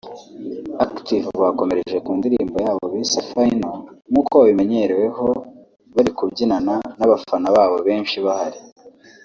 Active bakomereje ku ndirimbo yabo bise Final aho nkuko babimenyereweho bari kubyinana n’abafana benshi bahari